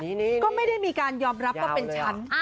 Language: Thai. ก็ไม่ได้มีการยอมรับก็เป็นฉัน